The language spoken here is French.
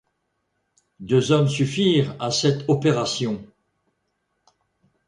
Deux hommes suffirent à cette opération.